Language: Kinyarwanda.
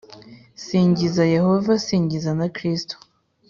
Singiza Yehova singiza na Kristo